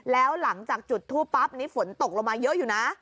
แล้วหลังจากจุดทูปปั๊บนี้ฝนตกลงมาเยอะอยู่นะ